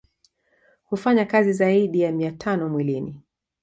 Hufanya kazi zaidi ya mia tano mwilini